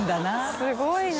すごいな。